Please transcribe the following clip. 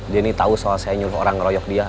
dia ini tahu soal saya nyuruh orang ngeroyok dia